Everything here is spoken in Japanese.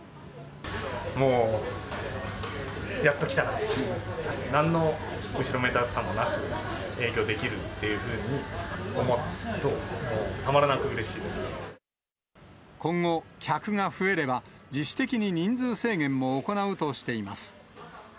もうやっときたなという、なんの後ろめたさもなく、提供できるっていうふうに思うと、今後、客が増えれば、自主的に人数制限を行うとしています。